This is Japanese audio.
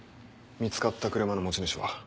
見つかった車の持ち主は？